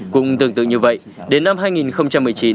cũng tương tự như vậy đến năm hai nghìn một mươi chín